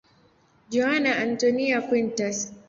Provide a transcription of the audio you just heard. Joana Antónia Quintas.